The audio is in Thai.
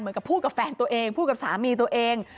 กับพูดกับแฟนตัวเองพูดกับสามีตัวเอง